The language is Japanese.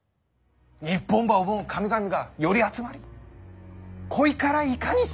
日本ば思う神々が寄り集まりこいからいかにし